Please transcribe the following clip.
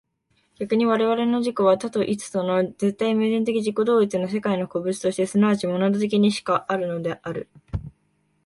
逆に我々の自己は多と一との絶対矛盾的自己同一の世界の個物として即ちモナド的にしかあるのである。